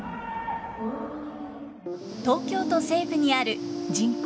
東京都西部にある人口